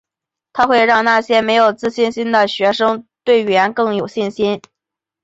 它会让那些没有自信心的学生对于语言更有信心。